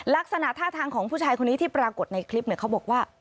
ลักษณะท่าทางของผู้ชายคนนี้ที่ปรากฏในคลิปเขาบอกว่า